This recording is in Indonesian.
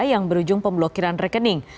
yang berujung pemblokiran rekening